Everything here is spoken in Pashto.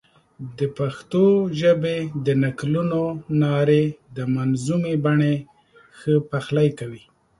د پښتو ژبې د نکلونو نارې د منظومې بڼې ښه پخلی کوي.